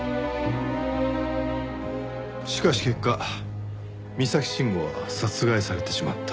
しかし結果三崎慎吾は殺害されてしまった。